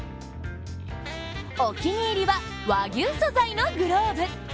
お気に入りは和牛素材のグローブ！